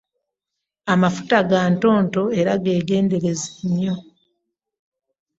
Amafuta ga ntonto era gegendereze nnyo.